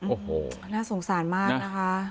โอ้โหน่าสงสารมากนะคะ